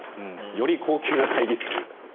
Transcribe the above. より高級な会議室というか。